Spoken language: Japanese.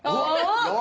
お！